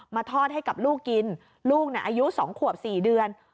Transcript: มาทอดให้กับลูกกินลูกเนี้ยอายุสองขวบสี่เดือน